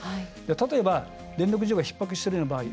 例えば、電力需要がひっ迫しているような場合。